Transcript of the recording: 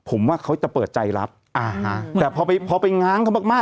ผมว่าเขาจะเปิดใจรับอ่าฮะแต่พอไปพอไปง้างเขามากมาก